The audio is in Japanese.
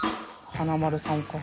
華丸さんか？